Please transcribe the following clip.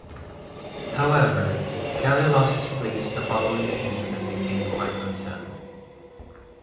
However, Kelly lost his place the following season and became quite unsettled.